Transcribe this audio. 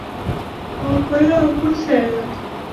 Kwapoilwa ni kusela?.